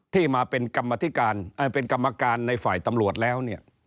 ที่มาเป็นกรรมการในฝ่ายตำรวจแล้ว